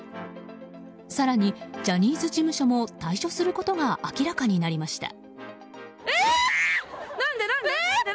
更に、ジャニーズ事務所も退所することが明らかになりました。